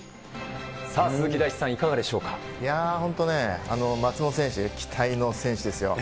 さあ、鈴木大地さん、いかがいやー、本当ね、松元選手ね、期待の選手ですよ。